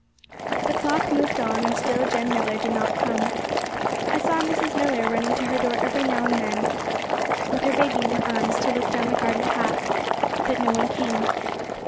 The clock moved on, and still Jem Millar did not come. I saw Mrs. Millar running to her door every now and then with her baby in her arms, to look down the garden path. But no one came.